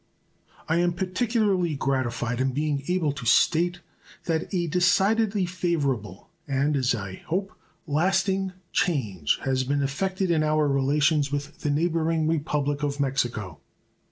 I am particularly gratified in being able to state that a decidedly favorable, and, as I hope, lasting, change has been effected in our relations with the neighboring Republic of Mexico.